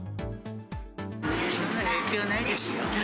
そんな影響ないですよ。